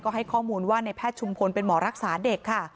ให้ข้อมูลว่าในแพทย์ชุมพลเป็นหมอรักษาเด็กค่ะ